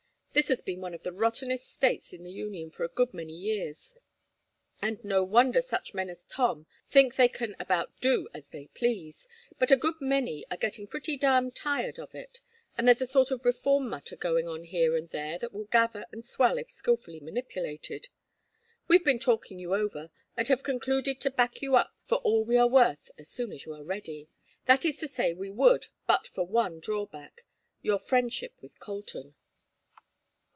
This has been one of the rottenest States in the Union for a good many years, and no wonder such men as Tom think they can about do as they please; but a good many are getting pretty damned tired of it, and there's a sort of reform mutter going on here and there that will gather and swell if skilfully manipulated. We've been talking you over, and have concluded to back you up for all we are worth as soon as you are ready that is to say we would but for one drawback your friendship with Colton."